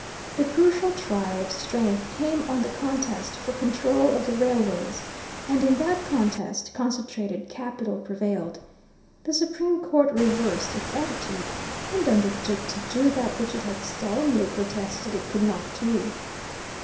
The crucial trial of strength came on the contest for control of the railways, and in that contest concentrated capital prevailed. The Supreme Court reversed its attitude, and undertook to do that which it had solemnly protested it could not do.